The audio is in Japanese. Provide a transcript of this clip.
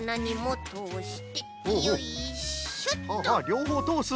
りょうほうとおす。